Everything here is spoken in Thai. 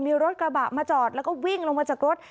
มีรถกระบะมาจอดแล้วก็วิ่งลงมาจากรถ